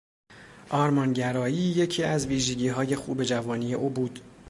آرمانگرایی یکی از ویژگیهای خوب جوانی او بود.